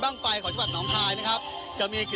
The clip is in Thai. มันอาจจะเป็นแก๊สธรรมชาติค่ะ